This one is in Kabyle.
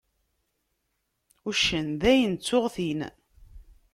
Uccen: Dayen ttuγ-t-in.